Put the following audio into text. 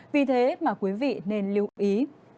vì thế mà quý vị nên lưu ý